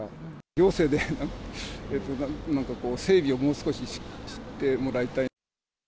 行政でなんかこう、整備をもう少ししてもらいたい。